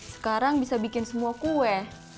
sekarang bisa bikin semua kue